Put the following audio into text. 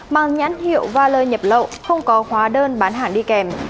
mang nhãn hiệu và lời nhập lậu không có hóa đơn bán hàng đi kèm